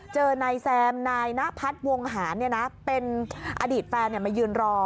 เจอนายแซมนายนพัฒน์วงหารเป็นอดีตแฟนมายืนรอ